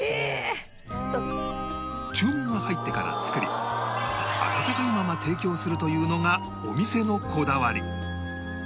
注文が入ってから作り温かいまま提供するというのがお店のこだわり